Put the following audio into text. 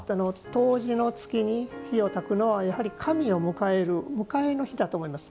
冬至の月に火を焚くのは、やはり神を迎える迎えの火だと思います。